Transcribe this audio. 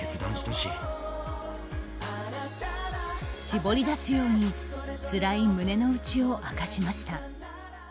絞り出すようにつらい胸の内を明かしました。